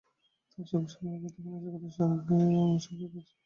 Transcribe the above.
তফসিল ঘোষণার আগে থেকেই নাশকতা-সংঘর্ষের আশঙ্কায় রাজধানীর রাস্তাঘাট ফাঁকা হতে শুরু করে।